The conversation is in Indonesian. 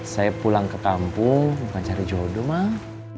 saya pulang ke kampung bukan cari jodoh mah